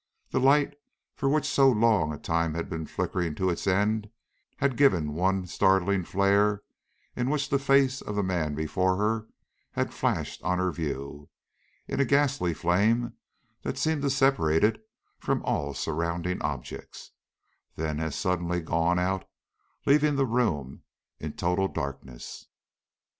The light, which for so long a time had been flickering to its end, had given one startling flare in which the face of the man before her had flashed on her view in a ghastly flame that seemed to separate it from all surrounding objects, then as suddenly gone out, leaving the room in total darkness.